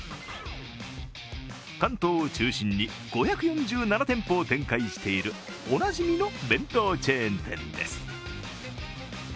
関東を中心に５４７店舗を展開しているおなじみの弁当チェーン店です。